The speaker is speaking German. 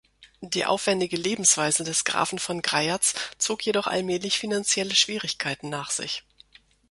Die aufwändige Lebensweise der Grafen von Greyerz zog jedoch allmählich finanzielle Schwierigkeiten nach sich.